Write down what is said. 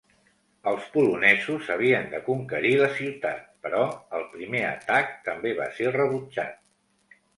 Els polonesos havien de conquerir la ciutat, però el primer atac també va ser rebutjat.